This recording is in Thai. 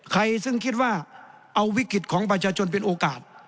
ใครซึ่งคิดว่าเอาวิกฤตของประชาชนเป็นโอกาส